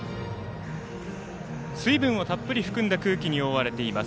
水分をたっぷり含んだ空気に覆われています。